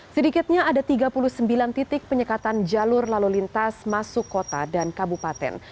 sedikitnya ada tiga puluh sembilan titik penyekatan jalur lalu lintas masuk kota dan kabupaten